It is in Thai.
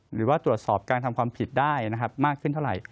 หรือว่าตรวจสอบการทำความผิดได้นะครับมากขึ้นเท่าไหร่